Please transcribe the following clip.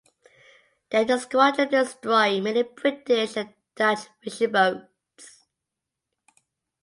There the squadron destroyed many British and Dutch fishing boats.